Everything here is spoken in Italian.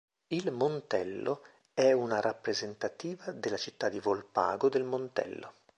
Il Montello è una rappresentativa della città di Volpago del Montello.